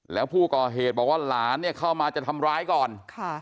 แล้วผู้ก่อเหตุบอกว่าหลานเนี่ยเข้ามาจะทำร้ายก่อน